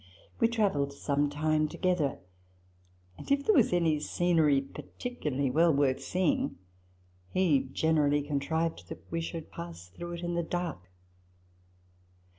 We travelled some time together ; and, if there was any scenery particularly well worth seeing, he generally contrived that we should pass through it in the dark.